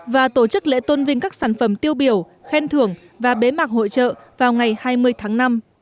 và tổ chức lễ tôn vinh các sản phẩm tiêu biểu khen thưởng và bế mạc hội trợ vào ngày hai mươi tháng năm